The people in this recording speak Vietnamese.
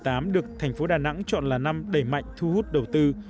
năm hai nghìn một mươi tám được thành phố đà nẵng chọn là năm đầy mạnh thu hút đầu tư